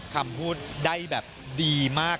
คำพูดได้ดีมาก